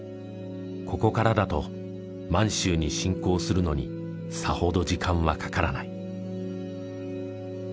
ここからだと満州に侵攻するのにさほど時間はかからない。